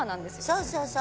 そうそうそう！